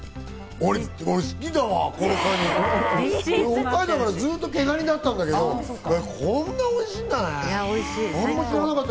俺、北海道だからずっと毛ガニだったんだけど、こんなおいしいんだね。